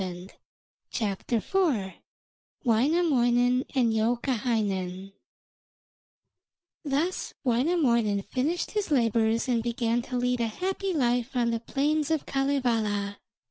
WAINAMOINEN AND YOUKAHAINEN Thus Wainamoinen finished his labours and began to lead a happy life on the plains of Kalevala.